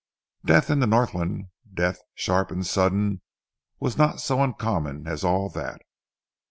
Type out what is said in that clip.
Death in the Northland death sharp and sudden was not so uncommon as all that.